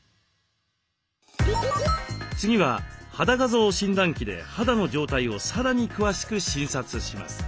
次は肌画像診断器で肌の状態をさらに詳しく診察します。